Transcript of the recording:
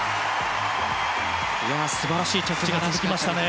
素晴らしい着地が続きましたね。